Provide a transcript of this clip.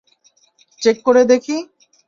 Check করে দেখি?